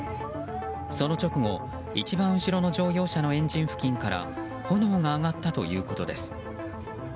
その直後、一番後ろの乗用車のエンジン付近から炎が上がったということです。